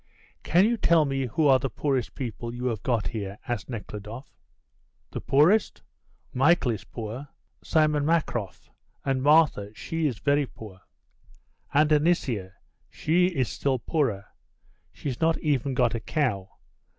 "Can you tell me who are the poorest people you have got here?" asked Nekhludoff. "The poorest? Michael is poor, Simon Makhroff, and Martha, she is very poor." "And Anisia, she is still poorer; she's not even got a cow.